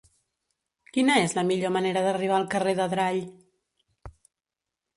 Quina és la millor manera d'arribar al carrer d'Adrall?